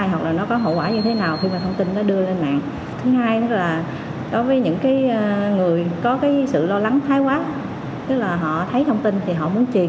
họ thấy thông tin thì họ muốn truyền